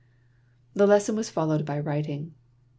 The lesson was followed by writing.